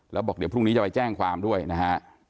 แล้วบอกเดี๋ยวพรุ่งนี้จะไปแจ้งความด้วยนะฮะ